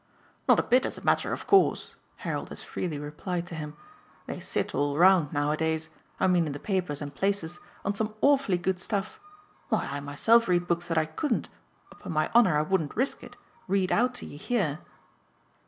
"Not a bit as a matter of course," Harold as freely replied to him. "They sit, all round, nowadays I mean in the papers and places on some awfully good stuff. Why I myself read books that I couldn't upon my honour I wouldn't risk it! read out to you here."